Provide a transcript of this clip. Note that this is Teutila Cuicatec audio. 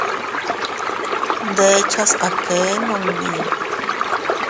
Ndechas a kee nunni.